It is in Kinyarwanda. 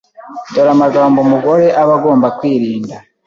Dore amagambo umugore aba agomba kwirinda